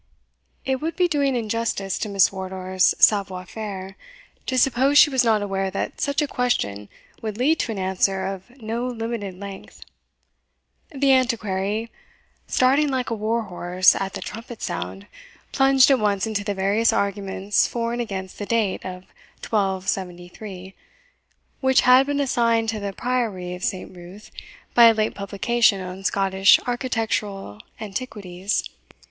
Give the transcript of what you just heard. It would be doing injustice to Miss Wardour's savoir faire, to suppose she was not aware that such a question would lead to an answer of no limited length. The Antiquary, starting like a war horse at the trumpet sound, plunged at once into the various arguments for and against the date of 1273, which had been assigned to the priory of St. Ruth by a late publication on Scottish architectural antiquities.